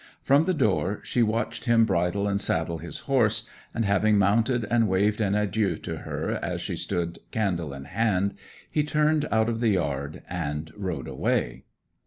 From the door she watched him bridle and saddle his horse, and having mounted and waved an adieu to her as she stood candle in hand, he turned out of the yard and rode away.